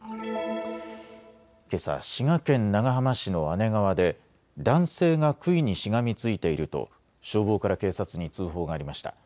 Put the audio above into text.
けさ滋賀県長浜市の姉川で男性がくいにしがみついていると消防から警察に通報がありました。